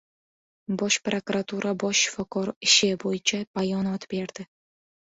Bosh prokuratura «bosh shifokor ishi» bo‘yicha bayonot berdi